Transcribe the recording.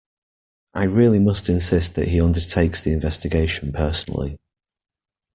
I really must insist that he undertakes the investigation personally.